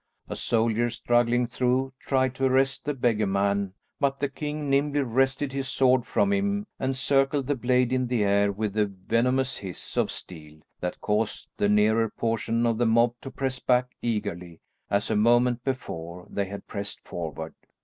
A soldier, struggling through, tried to arrest the beggarman, but the king nimbly wrested his sword from him, and circled the blade in the air with a venomous hiss of steel that caused the nearer portion of the mob to press back eagerly, as, a moment before, they had pressed forward.